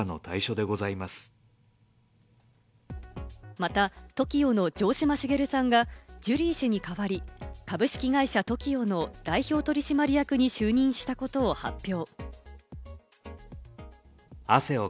またＴＯＫＩＯの城島茂さんが、ジュリー氏に代わり、株式会社ＴＯＫＩＯの代表取締役に就任したことを発表。